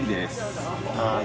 はい。